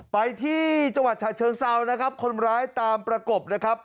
ไปที่จังหวัดฉะเชิงเซานะครับคนร้ายตามประกบนะครับ